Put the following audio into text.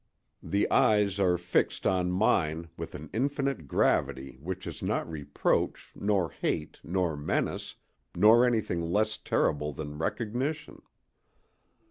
The eyes are fixed on mine with an infinite gravity which is not reproach, nor hate, nor menace, nor anything less terrible than recognition.